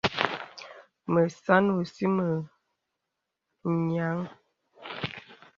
Mə sàn ɔ̀sì mə nyàŋ.